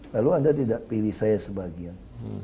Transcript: lalu anda tidak pilih saya sebagian